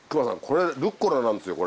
これルッコラなんですよ。